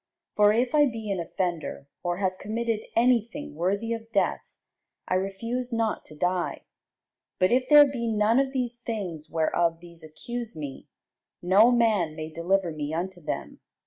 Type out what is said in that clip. For if I be an offender, or have committed any thing worthy of death, I refuse not to die: but if there be none of these things whereof these accuse me, no man may deliver me unto them.